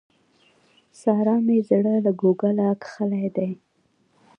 سارا مې زړه له کوګله کښلی دی.